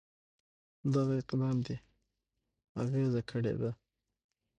دغه اقدام د اغېزه کړې ده.